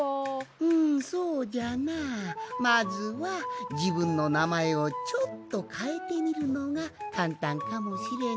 うんそうじゃなまずはじぶんのなまえをちょっとかえてみるのがかんたんかもしれんぞい。